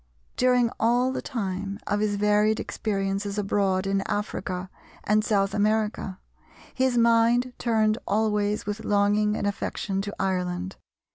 During all the time of his varied experiences abroad in Africa and South America, his mind turned always with longing and affection to Ireland.